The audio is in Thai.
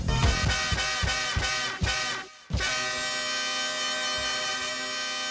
โปรดติดตามตอนต่อไป